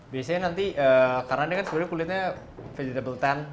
biasanya nanti karena dia kan sebenarnya kulitnya vegetable tan